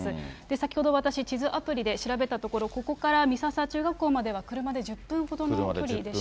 先ほど私、地図アプリで調べたところ、ここから美笹中学校までは、車で１０分ほどの距離でした。